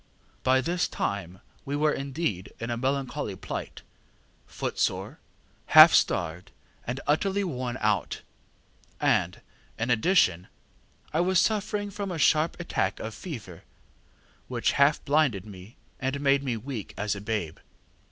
By this time we were indeed in a melancholy plight, footsore, half starved, and utterly worn out; and, in addition, I was suffering from a sharp attack of fever, which half blinded me and made me weak as a babe.